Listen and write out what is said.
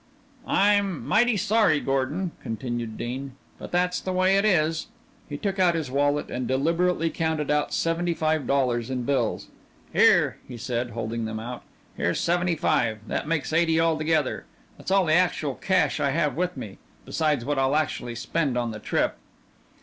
"I'm mighty sorry, Gordon," continued Dean, "but that's the way it is." He took out his wallet and deliberately counted out seventy five dollars in bills. "Here," he said, holding them out, "here's seventy five; that makes eighty all together. That's all the actual cash I have with me, besides what I'll actually spend on the trip."